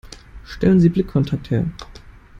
Stellen Sie Blickkontakt her.